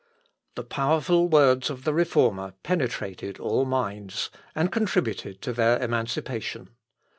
The powerful words of the Reformer penetrated all minds, and contributed to their emancipation.